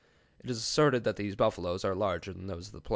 It is asserted that these buffaloes are larger than those of the plains."